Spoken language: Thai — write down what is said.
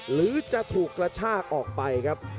หรือจะถูกกระชากออกไปครับ